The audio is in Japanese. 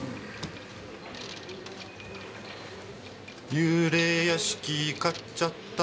「幽霊屋敷買っちゃった」